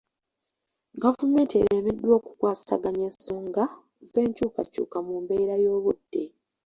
Gavumenti eremeddwa okukwasaganya ensonga z'enkyukakyuka mu mbeera y'obudde.